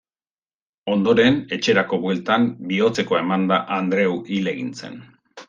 Ondoren, etxerako bueltan, bihotzekoa emanda Andreu hil egin zen.